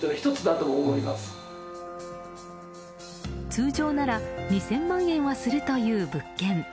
通常なら２０００万円はするという物件。